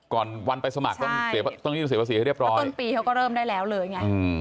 ก่อนวันไปสมัครต้องยื่นเสียภาษีให้เรียบร้อยต้นปีเขาก็เริ่มได้แล้วเลยไง